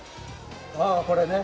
ああこれね。